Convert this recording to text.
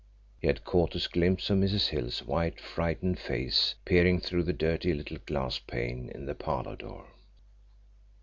He had caught a glimpse of Mrs. Hill's white frightened face peering through the dirty little glass pane in the parlour door.